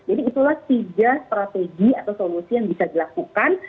jadi itulah tiga strategi atau solusi yang bisa dilakukan